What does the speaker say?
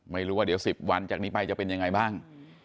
ไม่รู้ว่าเดี๋ยว๑๐วันจากนี้ไปจะเป็นยังไงบ้าง